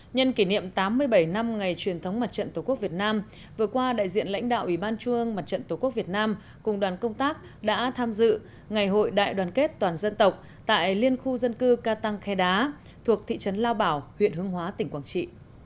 nhân kỷ niệm tám mươi bảy năm ngày truyền thống mặt trận tổ quốc việt nam vừa qua đại diện lãnh đạo ủy ban trung ương mặt trận tổ quốc việt nam cùng đoàn công tác đã tham dự ngày hội đại đoàn kết toàn dân tộc tại liên khu dân cư ca tăng khe đá thuộc thị trấn lao bảo huyện hương hóa tỉnh quảng trị